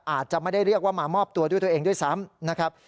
อาจจะไม่ได้เรียกว่ามามอบตัวด้วยตัวเองด้วยซ้ำนะครับ